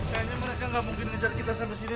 kayaknya mereka gak mungkin ngejar kita sampai sini deh